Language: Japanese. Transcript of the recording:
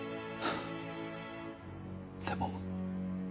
でも。